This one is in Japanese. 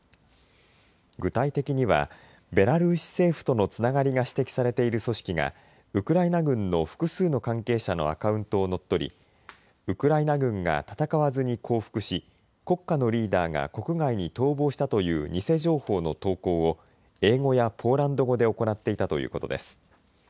具体的にはベラルーシ政府とのつながりが指摘されている組織がウクライナ軍の複数の関係者のアカウントを乗っ取りウクライナ軍が戦わずに降伏し国家のリーダーが国外に逃亡したという偽情報の投稿を英語やポーランド語で行っていたということです。